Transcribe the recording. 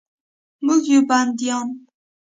موږ یو بندیان